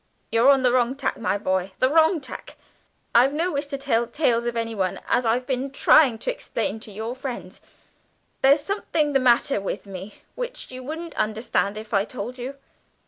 "You're on the wrong tack, my boy, the wrong tack. I've no wish to tell tales of anyone, as I've been trying to explain to your friends. There's something the matter with me which you wouldn't understand if I told you."